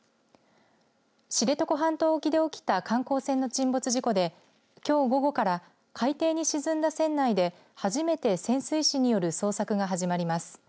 知床半島沖で起きた観光船の沈没事故できょう午後から海底に沈んだ船内で初めて潜水士による捜索が始まります。